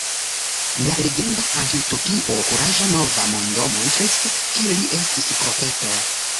La legenda antiutopio Kuraĝa Nova Mondo montris, ke li estis profeto.